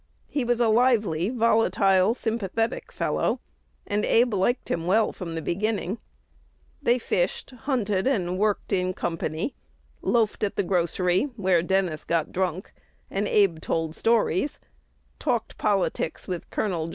He was a lively, volatile, sympathetic fellow, and Abe liked him well from the beginning. They fished, hunted, and worked in company; loafed at the grocery, where Dennis got drunk, and Abe told stories; talked politics with Col.